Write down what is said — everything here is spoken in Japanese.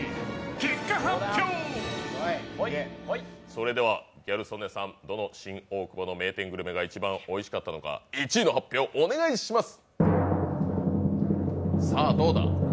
それではギャル曽根さん、どの新大久保グルメが一番おいしかったのか、１位の発表をお願いします。